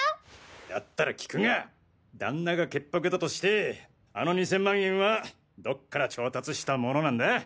だったら聞くが旦那が潔白だとしてあの２０００万円はどっから調達したものなんだ？